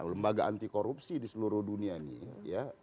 lembaga anti korupsi di seluruh dunia ini